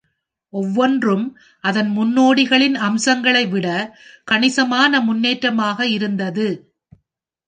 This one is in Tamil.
ஒவ்வொன்றும் அதன் முன்னோடிகளின் அம்சங்களை விட கணிசமான முன்னேற்றமாக இருந்தது.